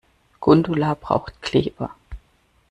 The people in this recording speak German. Gundula braucht Kleber.